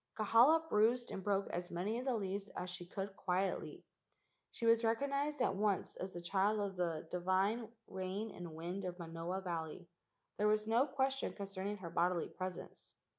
Kahala bruised and broke as many of the leaves as she could quietly. She was recognized at once as the child of the divine rain and wind of Manoa Valley. There was no question concerning her bodily presence.